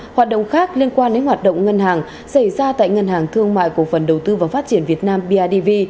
hoạt động khác liên quan đến hoạt động ngân hàng xảy ra tại ngân hàng thương mại cổ phần đầu tư và phát triển việt nam bidv